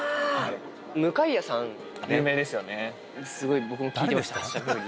向谷さん、すごい、僕も聴いてました。